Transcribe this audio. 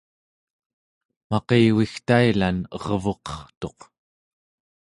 maqivigtailan ervuqertuq